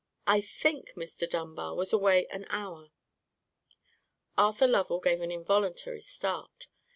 I think Mr. Dunbar was away an hour." Arthur Lovell gave an involuntary start.